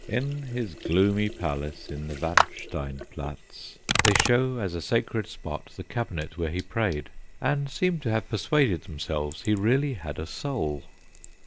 In his gloomy palace in the Waldstein Platz they show as a sacred spot the cabinet where he prayed, and seem to have persuaded themselves he really had a soul.